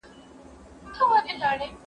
ځيني خلک مې د تسليمېدو په تمه وو.